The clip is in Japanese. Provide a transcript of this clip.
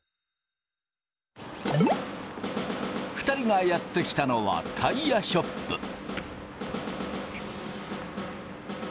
２人がやって来たのはタイヤショップ。